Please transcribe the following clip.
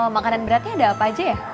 makanan beratnya ada apa aja ya